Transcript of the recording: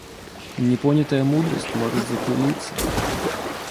Не понятая мудрость может запылиться.